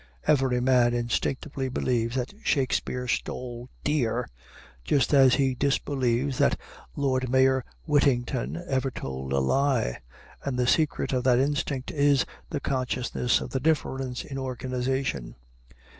Every man instinctively believes that Shakespeare stole deer, just as he disbelieves that Lord mayor Whittington ever told a lie; and the secret of that instinct is the consciousness of the difference in organization.